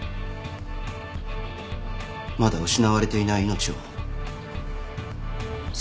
まだ失われていない命を救うことができる。